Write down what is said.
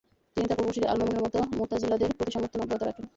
তিনি তার পূর্বসূরি আল মামুনের মত মুতাজিলাদের প্রতি সমর্থন অব্যাহত রাখেন।